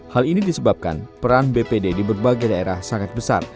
hal ini disebabkan peran bpd di berbagai daerah sangat besar